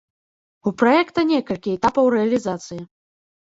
У праекта некалькі этапаў рэалізацыі.